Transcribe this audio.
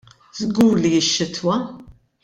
Żgur li x-xitwa!